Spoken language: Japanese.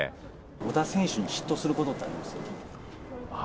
小田選手に嫉妬することってあります？